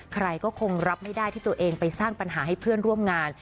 ใครก็คงรับไม่ได้ที่ตัวเองไปสร้างปัญหาให้เพื่อนร่วมงาน